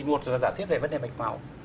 một là giả thuyết về vấn đề mạch máu